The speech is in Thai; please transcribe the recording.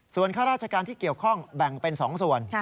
ส่วนข้าราชการที่เกี่ยวข้องแบ่งเป็น๒ส่วน